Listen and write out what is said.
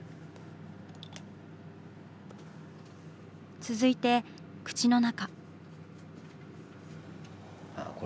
続いて口の中。